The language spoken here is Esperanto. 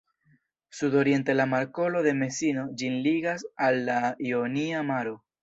Sudoriente la Markolo de Mesino ĝin ligas al la Ionia Maro.